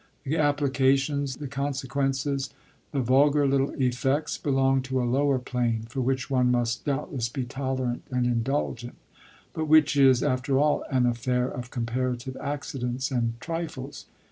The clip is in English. The applications, the consequences, the vulgar little effects, belong to a lower plane, for which one must doubtless be tolerant and indulgent, but which is after all an affair of comparative accidents and trifles.